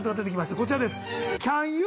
こちらです。